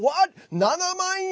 ７万円？